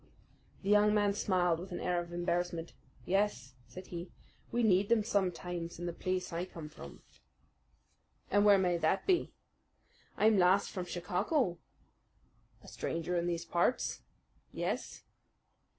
The young man smiled with an air of embarrassment. "Yes," said he, "we need them sometimes in the place I come from." "And where may that be?" "I'm last from Chicago." "A stranger in these parts?" "Yes."